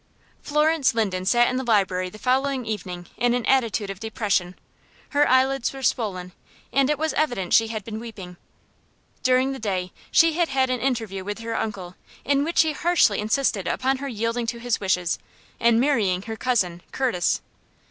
Florence Linden sat in the library the following evening in an attitude of depression. Her eyelids were swollen, and it was evident she had been weeping. During the day she had had an interview with her uncle, in which he harshly insisted upon her yielding to his wishes, and marrying her cousin, Curtis.